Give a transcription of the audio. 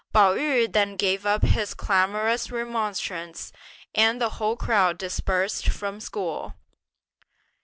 Pao yü then gave up his clamorous remonstrances and the whole crowd dispersed from school.